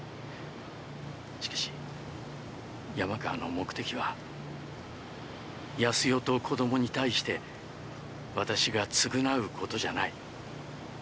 しかし山川の目的は康代と子供に対して私が償うことじゃない。